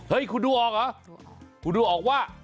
คุณดูออกเหรอคุณดูออกว่า